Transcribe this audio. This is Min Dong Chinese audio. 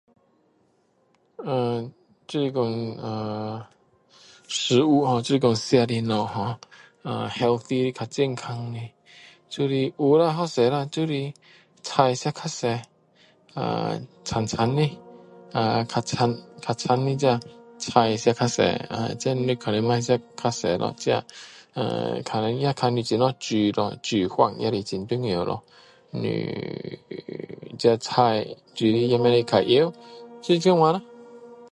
uhm 啊，就是说啊 ，食物[uhm]就是说吃的东西[uhm]。[uhm]Healthy比较健康的，只是, 有啦，好多啦，就是菜吃比较多, uhm 青青的啊 比较青比较青的这菜吃比较多[uhm]。这肉可能不要吃那么多咯。这 Ahh 可能也要看一下你怎么煮咯，煮法也是很重要咯, 你这菜煮的也不可以太油，就是这样啦！